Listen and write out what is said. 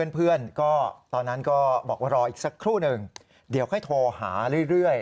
เพื่อนก็ตอนนั้นก็บอกว่ารออีกสักครู่หนึ่งเดี๋ยวค่อยโทรหาเรื่อย